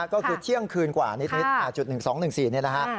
ก็คือเที่ยงคืนกว่านิดจุด๑๒๑๔นี่แหละฮะ